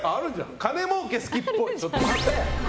金もうけ好きっぽい。